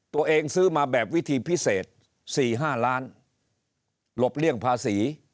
ซื้อมาแบบวิธีพิเศษ๔๕ล้านหลบเลี่ยงภาษี